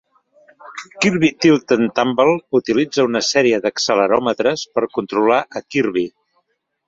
"Kirby Tilt 'n' Tumble" utilitza una sèrie d'acceleròmetres per controlar a Kirby.